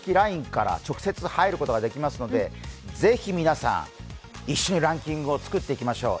ＬＩＮＥから直接入ることができますので是非皆さん、一緒に番組を作っていきましょう。